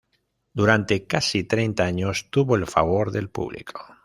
Durante casi treinta años tuvo el favor del público.